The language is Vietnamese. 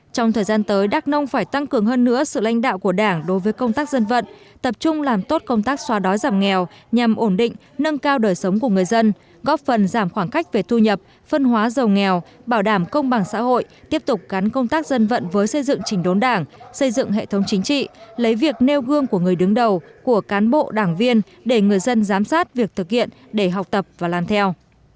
trong thời gian tới đắk nông phải tăng cường hơn nữa sự lãnh đạo của đảng đối với công tác dân vận tập trung làm tốt công tác xóa đói giảm nghèo nhằm ổn định nâng cao đời sống của người dân góp phần giảm khoảng cách về thu nhập phân hóa giàu nghèo bảo đảm công bằng xã hội tiếp tục cắn công tác dân vận với xây dựng trình đốn đảng xây dựng hệ thống chính trị lấy việc nêu gương của người đứng đầu của cán bộ đảng viên để người dân giám sát việc thực hiện để học tập và làm theo